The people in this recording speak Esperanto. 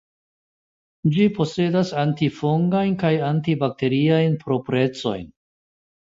Ĝi posedas antifungajn kaj antibakteriajn proprecojn.